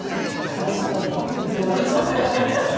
「枯らしたら化けて出られそうだからイヤだ」って。